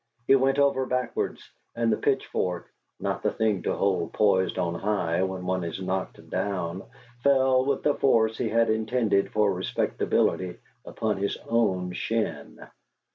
He went over backwards, and the pitchfork (not the thing to hold poised on high when one is knocked down) fell with the force he had intended for Respectability upon his own shin.